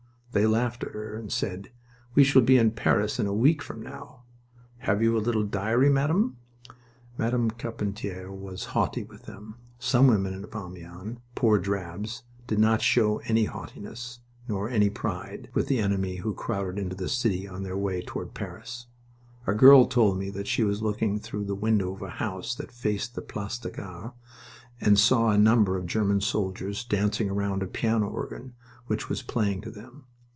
They laughed at her and said: "We shall be in Paris in a week from now. Have you a little diary, Madame?" Madame Carpentier was haughty with them. Some women of Amiens poor drabs did not show any haughtiness, nor any pride, with the enemy who crowded into the city on their way toward Paris. A girl told me that she was looking through the window of a house that faced the Place de la Gare, and saw a number of German soldiers dancing round a piano organ which was playing to them.